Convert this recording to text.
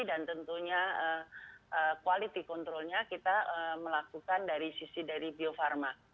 dan tentunya quality control nya kita melakukan dari sisi bio farma